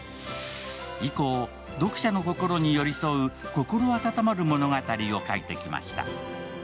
以降、読者の心に寄り添う心温まる物語を書いてきました。